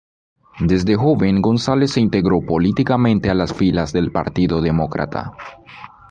Desde joven Gonzales se integró políticamente a las filas del Partido Demócrata.